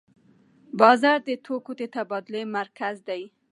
بازار د توکو د تبادلې مرکز دی.